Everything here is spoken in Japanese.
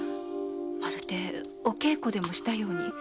まるでお稽古でもしたように。